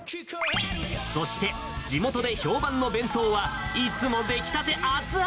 そして、地元で評判の弁当は、いつも出来たて熱々。